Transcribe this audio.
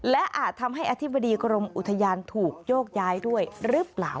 และอาจทำให้อธิบดีกรมอุทยานถูกโยกย้ายด้วยหรือเปล่า